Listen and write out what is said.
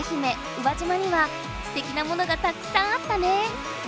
宇和島にはすてきなものがたくさんあったね！